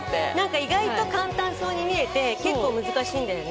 意外と簡単そうに見えて難しいんだよね。